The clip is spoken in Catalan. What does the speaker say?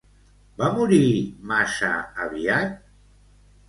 Va morir massa aviat?